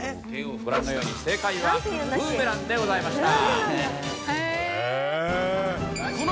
ご覧のように正解はブーメランでございました。